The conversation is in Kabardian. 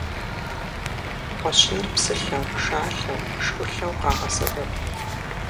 Кхъуэщыныр псылъэу, шалъэу, шхулъэу къагъэсэбэп.